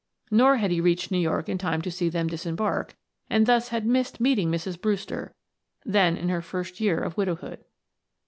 Nor had he reached New York in time to see them disembark, and thus had missed meeting Mrs. Brewster, then in her first year of widowhood.